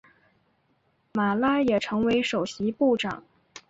马拉也成为首席部长。